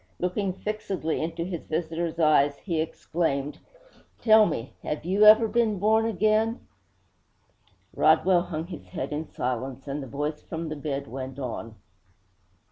Looking fixedly into his visitor's eyes, he exclaimed: 'Tell me, have you been born again?' Rodwell hung his head in silence, and the voice from the bed went on.